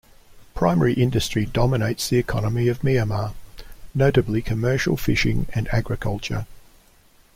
Primary industry dominates the economy of Mihama, notably commercial fishing and agriculture.